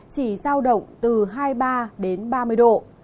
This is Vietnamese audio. chỉ giao động từ hai mươi ba đến ba mươi độ